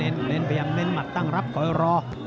เน้นพยายามเน้นหมัดตั้งรับคอยรอ